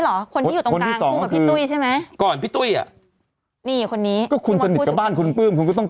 หลอกค่ะสเปคที่ฉันเลย